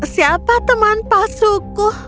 siapa teman pasuku